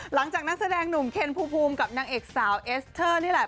นักแสดงหนุ่มเคนภูมิกับนางเอกสาวเอสเตอร์นี่แหละ